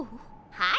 はい。